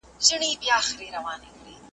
کله وخت کله ناوخته مي وهلی `